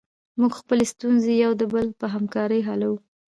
موږ خپلې ستونزې یو د بل په همکاري حلوو.